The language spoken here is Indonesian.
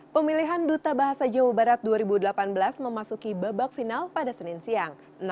pemilihan duta bahasa jawa barat dua ribu delapan belas memasuki babak final pada senin siang